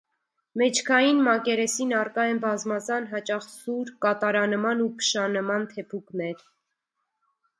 Մեջքային մակերեսին առկա են բազմազան, հաճախ՝ սուր, կատարանման ու փշանման թեփուկներ։